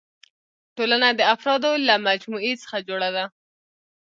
ټولنه د افرادو له مجموعي څخه جوړه ده.